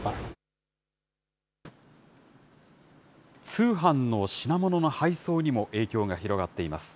通販の品物の配送にも影響が広がっています。